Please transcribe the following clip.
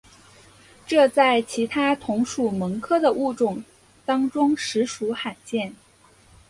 这在其他同属蠓科的物种当中实属罕见。